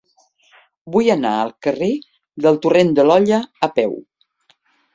Vull anar al carrer del Torrent de l'Olla a peu.